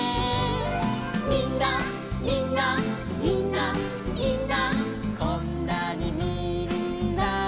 「みんなみんなみんなみんなこんなにみんな」